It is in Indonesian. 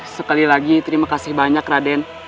sekali lagi terima kasih banyak raden